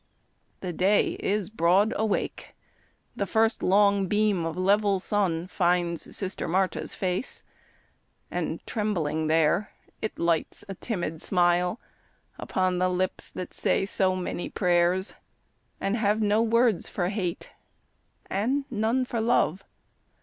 The day is broad awake the first long beam Of level sun finds Sister Marta's face, And trembling there it lights a timid smile Upon the lips that say so many prayers, And have no words for hate and none for love.